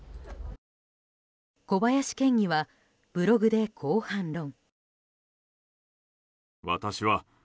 小林県議は、ブログでこう反論。